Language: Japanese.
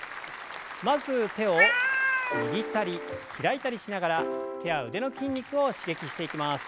まず手を握ったり開いたりしながら手や腕の筋肉を刺激していきます。